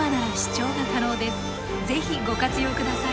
是非ご活用ください。